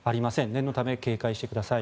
念のため警戒してください。